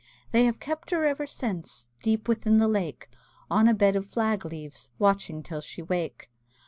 They have kept her ever since Deep within the lake, On a bed of flag leaves, Watching till she wake.